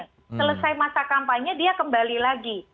selesai masa kampanye dia kembali lagi